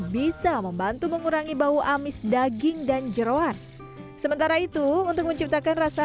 bisa membantu mengurangi bau amis daging dan jerawan sementara itu untuk menciptakan rasa